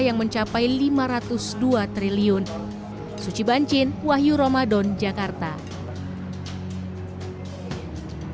sebagai sebuah negara yang mencapai rp lima ratus dua triliun